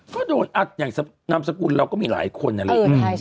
ก็โดนอย่างนามสกุลเราก็มีหลายคนนั่นแหละ